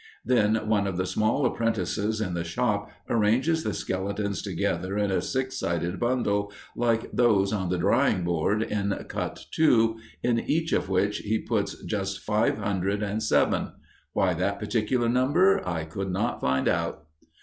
Then one of the small apprentices in the shop arranges the skeletons together in a six sided bundle, like those on the drying board in Cut II, in each of which he puts just five hundred and seven. Why that particular number, I could not find out.